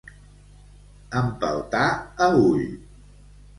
Empeltar a ull.